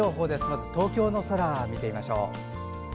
まず東京の空見てみましょう。